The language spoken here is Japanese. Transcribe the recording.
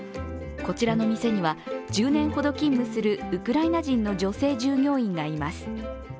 こちらの店には１０年ほど勤務するウクライナ人の女性従業員がいます。